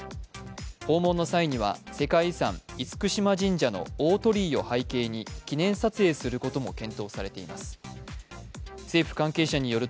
訪問の際には世界遺産・厳島神社の大鳥居を背景に記念撮影することも検討されています。